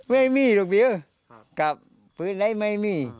ไม่มีลูกศิ้ว่าแล้วกับพื้นไรมี